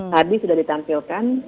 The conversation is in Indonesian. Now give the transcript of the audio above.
tadi sudah ditampilkan